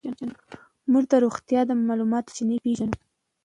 مور د روغتیا د معلوماتو سرچینې پېژني.